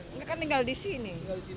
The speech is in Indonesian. mereka kan tinggal di sini